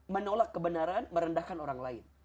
menolak kebenaran merendahkan orang lain